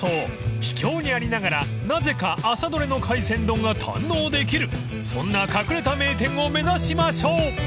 ［秘境にありながらなぜか朝取れの海鮮丼が堪能できるそんな隠れた名店を目指しましょう］